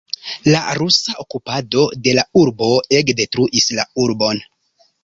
La rusa okupado de la urbo ege detruis la urbon.